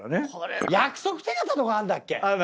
約束手形とかあんだっけ